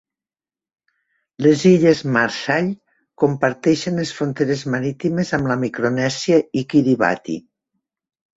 Les Illes Marshall comparteixen les fronteres marítimes amb la Micronèsia i Kiribati.